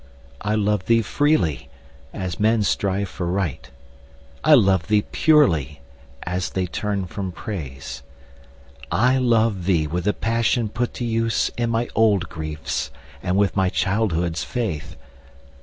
I love thee freely, as men strive for Right; I love thee purely, as they turn from Praise. I love thee with the passion put to use In my old griefs, and with my childhood's faith.